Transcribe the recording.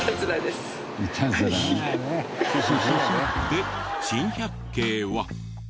で珍百景は。